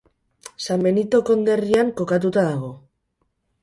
San Benito konderrian kokatua dago.